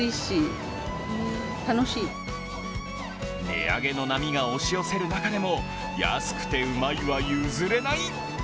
値上げの波が押し寄せる中でも安くてうまいは譲れない！